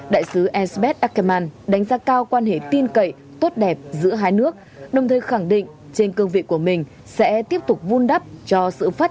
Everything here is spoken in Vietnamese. đại sứ esbeth ackerman đánh giá cao quan hệ tin cậy tốt đẹp giữa hai nước đồng thời khẳng định trên cương vị của mình sẽ tiếp tục vun đắp cho sự phát triển quan hệ hợp tác